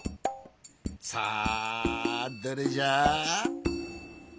さあどれじゃ？